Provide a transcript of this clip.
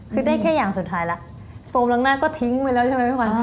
คือได้แค่อย่างสุดท้ายแล้วโฟมล้างหน้าก็ทิ้งไปแล้วใช่ไหมพี่ขวัญ